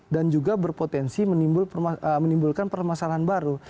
dan juga berpotensi menimbulkan permasalahan baru